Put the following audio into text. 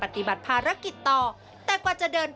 อ่าหลักไม่ต้องล่ัง